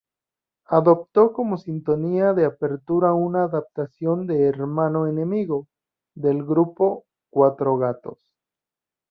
Adoptó como sintonía de apertura una adaptación de "Hermano enemigo", del grupo Cuatro Gatos.